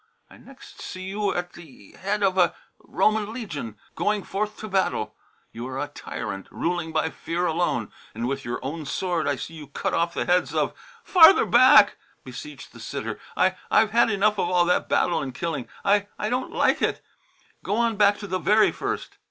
"I next see you at the head of a Roman legion, going forth to battle. You are a tyrant, ruling by fear alone, and with your own sword I see you cut off the heads of " "Farther back," beseeched the sitter. "I I've had enough of all that battle and killing. I I don't like it. Go on back to the very first."